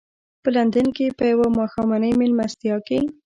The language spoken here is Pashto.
په لندن کې په یوه ماښامنۍ مېلمستیا کې.